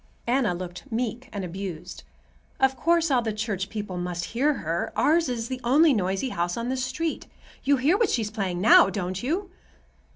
Anna looked meek and abused. "Of course all the church people must hear her. Ours is the only noisy house on this street. You hear what she's playing now, don't you?"